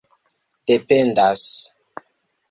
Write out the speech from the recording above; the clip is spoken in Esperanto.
dependas